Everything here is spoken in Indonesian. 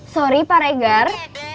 sorry pak regar